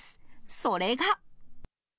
それが。